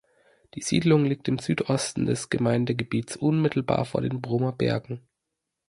Die Siedlung liegt im Südosten des Gemeindegebietes unmittelbar vor den Brohmer Bergen.